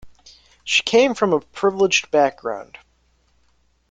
She came from a privileged background.